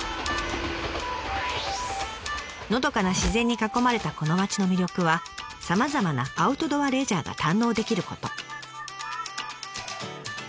のどかな自然に囲まれたこの町の魅力はさまざまなアウトドアレジャーが堪能できること。